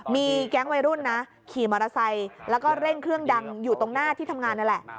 มีแก๊งวัยรุ่นนะขี่มอเตอร์ไซค์แล้วก็เร่งเครื่องดังอยู่ตรงหน้าที่ทำงานนั่นแหละ